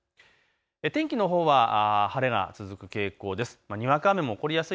天気のほうは晴れが続く傾向です。